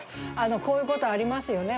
こういうことありますよね。